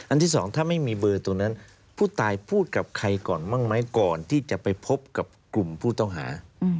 ที่สองถ้าไม่มีเบอร์ตรงนั้นผู้ตายพูดกับใครก่อนบ้างไหมก่อนที่จะไปพบกับกลุ่มผู้ต้องหา